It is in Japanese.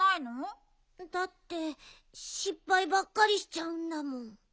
だってしっぱいばっかりしちゃうんだもん。